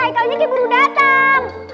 ini lagi ibu suara loh